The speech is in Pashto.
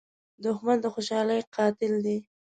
دښمن د خوشحالۍ قاتل دی